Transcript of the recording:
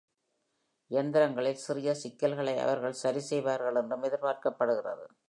இயந்திரங்களில் சிறிய சிக்கல்களை அவர்கள் சரிசெய்வார்கள் என்றும் எதிர்பார்க்கப்படுகிறது.